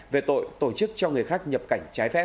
về tội tổ chức cho người khác nhập cảnh trái phép